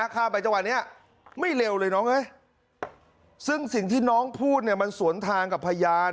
ข้ามไปจังหวะนี้ไม่เร็วเลยน้องซึ่งสิ่งที่น้องพูดเนี่ยมันสวนทางกับพยาน